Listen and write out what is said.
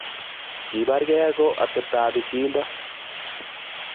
Kibargei ko atebto ab pichiindo